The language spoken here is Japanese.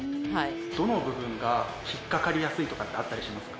どの部分が引っ掛かりやすいとかってあったりしますか？